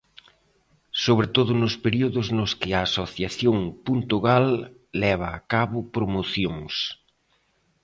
Sobre todo nos períodos nos que a Asociación Puntogal leva a cabo promocións.